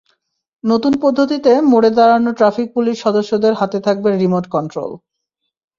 নতুন পদ্ধতিতে মোড়ে দাঁড়ানো ট্রাফিক পুলিশ সদস্যদের হাতে থাকবে রিমোট কন্ট্রোল।